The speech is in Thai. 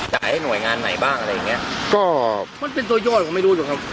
ให้หน่วยงานไหนบ้างอะไรอย่างเงี้ยก็มันเป็นตัวยอดก็ไม่รู้หรอกครับ